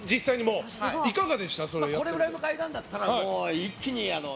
これぐらいの階段だったら一気に。